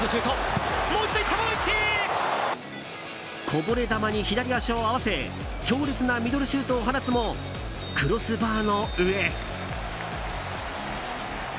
こぼれ球に左足を合わせ強烈なミドルシュートを放つもクロスバーの上。